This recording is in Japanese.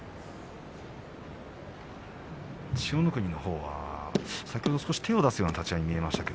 千代の国のほうは先ほどは手を出すような立ち合いに見えました。